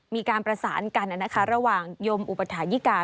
มีการประสานกันระหว่างยมอุปถายิกา